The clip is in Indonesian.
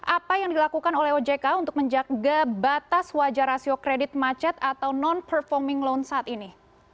apa yang dilakukan oleh ojk untuk menjaga batas wajah rasio kredit macet atau non performing loan saat ini